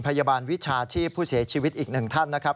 พยาบาลวิชาชีพผู้เสียชีวิตอีกหนึ่งท่านนะครับ